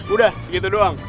udah segitu doang